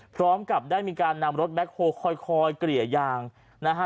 พร้อมกับได้มีการนำรถแบ็คโฮลคอยเกลี่ยยางนะฮะ